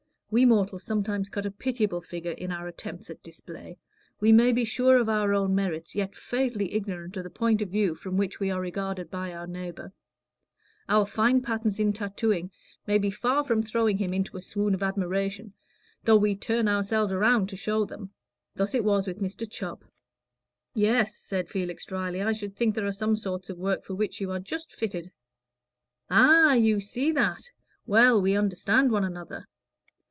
We mortals sometimes cut a pitiable figure in our attempts at display. We may be sure of our own merits, yet fatally ignorant of the point of view from which we are regarded by our neighbor. Our fine patterns in tattooing may be far from throwing him into a swoon of admiration, though we turn ourselves all round to show them. Thus it was with Mr. Chubb. "Yes," said Felix, dryly; "I should think there are some sorts of work for which you are just fitted." "Ah, you see that? Well, we understand one another.